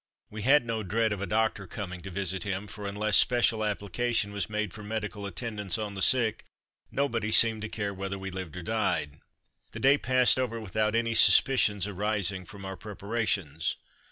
We had no dread of a doctor coming to visit him, for unless special application was made for medical attendance on the sick nobody seemed to care whether we lived or died. The day passed over without any suspicions arising from our preparations.